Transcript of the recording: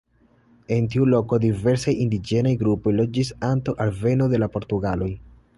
En tiu loko diversaj indiĝenaj grupoj loĝis antaŭ alveno de la portugaloj.